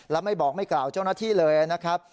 แล้วไม่บอกไม่กล่าวเจ้าหน้าที่เลยนะครับ